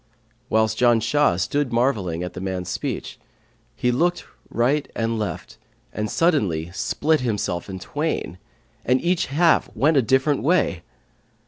Whilst Janshah stood marvelling at the man's speech he looked right and left and suddenly split himself in twain, and each half went a different way.